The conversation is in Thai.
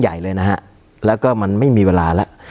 การแสดงความคิดเห็น